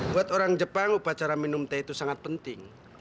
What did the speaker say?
buat orang jepang upacara minum teh itu sangat penting